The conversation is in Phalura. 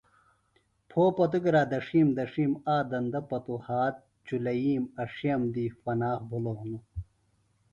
پھو پتوۡ گِرا دڇِھیم دڇِھیم آ دندہ پتوۡ ہات چُلئِیم اڇِھیئم دی فنا بِھلوۡ ہنوۡ